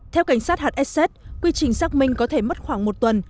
theo cảnh sát hạt ss quy trình xác minh có thể mất khoảng một tuần